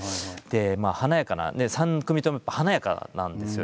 華やかな３組とも華やかなんですよ。